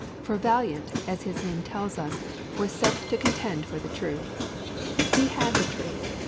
For Valiant, as his name tells us, was set to contend for the truth. He had the truth.